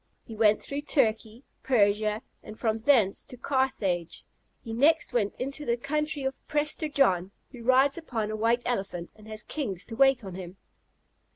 He went through Turkey, Persia, and from thence to Carthage; he next went into the country of Prester John, who rides upon a white elephant, and has kings to wait on him.